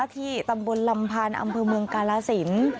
ที่ตำบลลำพานอำเภอเมืองกาลสิน